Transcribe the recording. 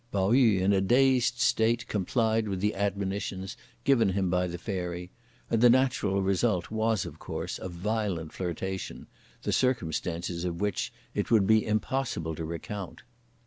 Pao yü in a dazed state complied with the admonitions given him by the Fairy, and the natural result was, of course, a violent flirtation, the circumstances of which it would be impossible to recount.